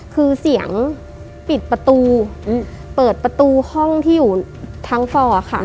คือเสียงปิดประตูเปิดประตูห้องที่อยู่ทั้งฟอร์ค่ะ